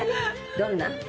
「どんな？」